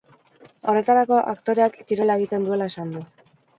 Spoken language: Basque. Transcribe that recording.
Horretarako, aktoreak kirola egiten duela esan du.